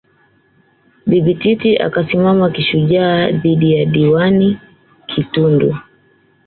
Bibi Titi akasimama kishujaa dhidi ya Diwani Kitundu